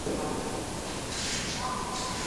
روایتونه د دیني مسایلو په پوهیدو کي مرسته کوي.